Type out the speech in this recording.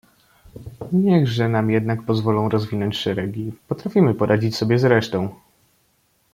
"Niechże nam jednak pozwolą rozwinąć szeregi, potrafimy poradzić sobie z resztą!"